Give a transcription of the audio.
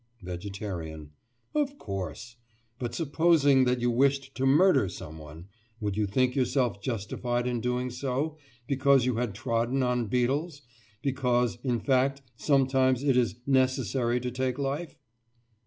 VEGETARIAN: Of course. But supposing that you wished to murder someone, would you think yourself justified in doing so because you had trodden on beetles—because, in fact, sometimes it is "necessary to take life?"